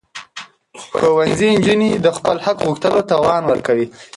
ښوونځي نجونې د خپل حق غوښتلو توان ورکوي.